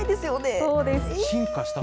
そうです。